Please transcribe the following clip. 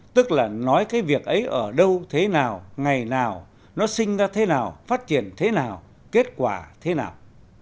tức là nói cái việc ấy ở đâu thế nào ngày nào nó sinh ra thế nào phát triển thế nào kết quả thế nào